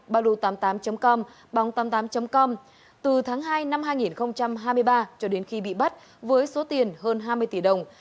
badu tám mươi tám com bóng tám mươi tám com từ tháng hai năm hai nghìn hai mươi ba cho đến khi bị bắt với số tiền hơn hai mươi tỷ đồng